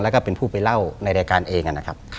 แล้วก็เป็นผู้ไปเล่าในรายการเองนะครับ